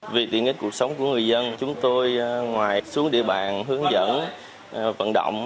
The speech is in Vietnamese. vì tiện ích cuộc sống của người dân chúng tôi ngoài xuống địa bàn hướng dẫn vận động